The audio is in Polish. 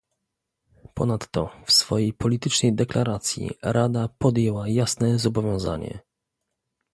Ponadto w swojej politycznej deklaracji Rada podjęła jasne zobowiązanie